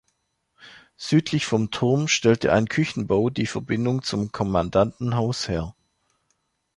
Südlich vom Turm stellte ein Küchenbau die Verbindung zum Kommandantenhaus her.